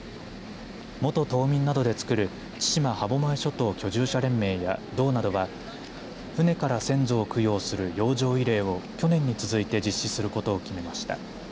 元島民などでつくる千島歯舞諸島居住者連盟や道などは船から先祖を供養する洋上慰霊を去年に続いて実施することを決めました。